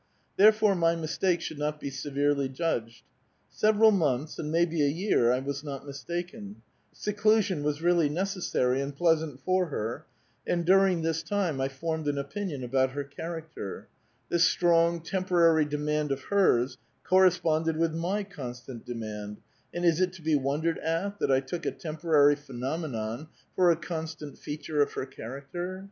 Therefore my mistake should not be severely judged. Several months, and maybe a year, I was not mistaken ; seclusion was really necessary and pleasant for her, and during this time I formed an opinion about her character ; this strong, temporary demand of hers corresponded with my constant demand, and is it to be wondered at that I took a temporary phenomenon for a constant feature of her char acter?